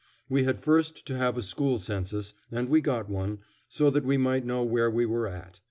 We had first to have a school census, and we got one, so that we might know where we were at.